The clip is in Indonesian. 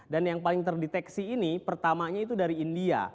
dan yang paling terdeteksi ini pertamanya itu dari india